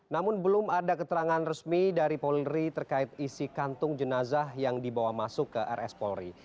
namun belum ada keterangan resmi dari polri terkait isi kantung jenazah yang dibawa masuk ke rs polri